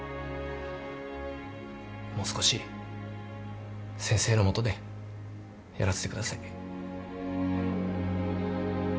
もう少し先生の下でやらせてください。